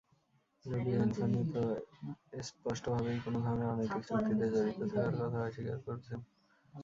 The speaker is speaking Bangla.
যদিও ইনফান্তিনো স্পষ্টভাবেই কোনো ধরনের অনৈতিক চুক্তিতে জড়িত থাকার কথা অস্বীকার করেছেন।